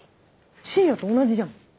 深夜と同じじゃん。